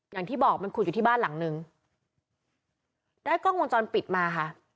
อย่างที่บอกมันขุดอยู่ที่บ้านหลังนึงได้กล้องวงจรปิดมาค่ะ